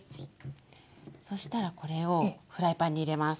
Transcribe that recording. そしたらこれをフライパンに入れます。